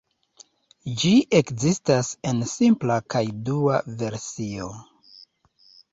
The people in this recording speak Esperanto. Ĝi ekzistas en simpla kaj dua versio.